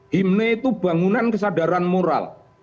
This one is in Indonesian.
himne itu bangunan kesadaran moral